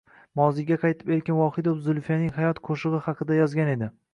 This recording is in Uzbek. Moziyga qaytib: Erkin Vohidov Zulfiyaning hayot qoʻshigʻi haqida yozgan edi...